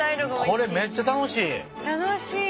これめっちゃ楽しい。